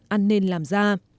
an nên làm ra